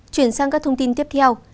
chuyển sang các thông tin tiếp theo